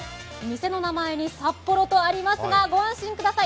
店の名前に札幌とありますがご安心ください